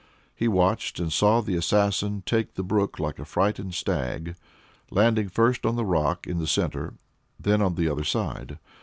He watched, and saw the assassin take the brook like a frightened stag, landing first on the rock in the centre, then on the other side.